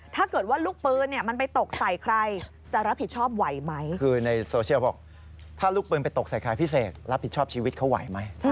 ถ้าลูกเปลืองไปตกใส่คลายพี่เสกรับผิดชอบชีวิตเขาไหวไหม